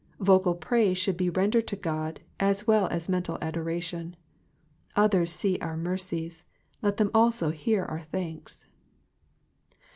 Vocal praise should be rendered to God as well as mental adoration ; others see our mercies, let them also hear our thanks.